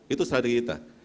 itu secara diri kita